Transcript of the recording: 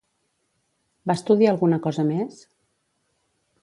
Va estudiar alguna cosa més?